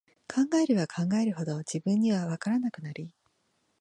考えれば考えるほど、自分には、わからなくなり、